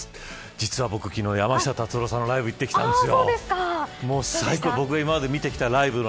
実は僕、昨日、山下達郎さんのライブに行ってきたんです。